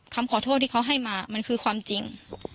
คำขอโทษที่เขาให้มามันคือความจริง